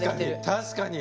確かに。